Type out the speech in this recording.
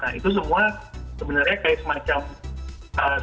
nah itu semua sebenarnya kayak semacam ganti alamat